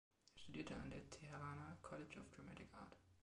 Er studierte an der Teheraner "College of Dramatic Art".